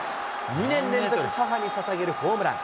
２年連続、母にささげるホームラン。